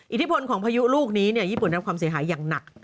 อิทธิพลของพายุลูกนี้ญี่ปุ่นได้รับความเสียหายอย่างหนัก